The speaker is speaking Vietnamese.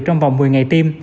trong vòng một mươi ngày tiêm